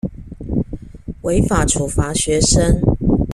違法處罰學生